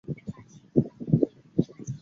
君士坦丁堡亦以其宏伟的建筑而闻名。